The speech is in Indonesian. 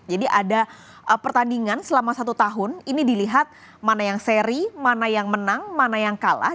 jadi ada pertandingan selama satu tahun ini dilihat mana yang seri mana yang menang mana yang kalah